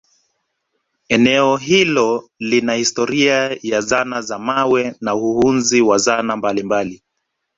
eneo hilo lina historia ya zana za mawe na uhunzi wa zana mbalimbali